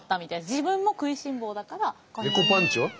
自分も食いしん坊だから。